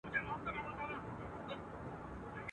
ستاله غېږي به نن څرنګه ډارېږم.